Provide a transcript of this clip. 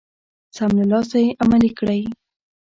سم له لاسه يې عملي کړئ.